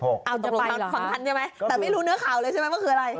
เอาตรงไปฝั่งนั้นใช่ไหมแต่ไม่รู้เนื้อข่าวเลยใช่ไหมว่าคืออะไร